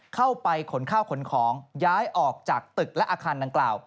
เข้าไปขนข้าวขนของย้ายออกจากตึกและอาคารดังกล่าว